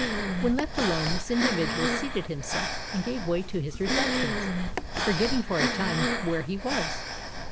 When left alone, this individual seated himself, and gave way to his reflections, forgetting for a time where he was.